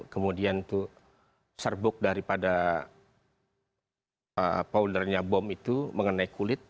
kemudian itu serbuk daripada powdernya bom itu mengenai kulit